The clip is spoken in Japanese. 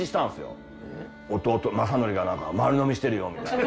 弟雅紀がなんか丸呑みしてるよみたいな。